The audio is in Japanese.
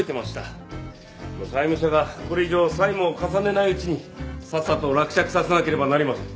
債務者がこれ以上債務を重ねないうちにさっさと落着させなければなりません。